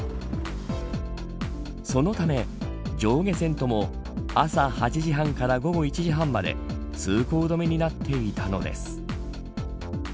そのため上下線とも朝８時半から午後１時半まで通行止めになっていたのです。